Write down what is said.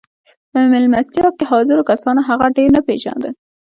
په مېلمستیا کې حاضرو کسانو هغه ډېر نه پېژانده